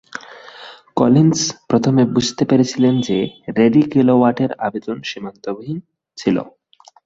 Collins প্রথমে বুঝতে পেরেছিলেন যে, রেডি কিলোওয়াটের আবেদন সীমান্তবিহীন ছিল।